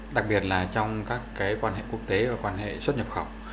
đặc biệt là trong các quan hệ quốc tế và quan hệ xuất nhập khẩu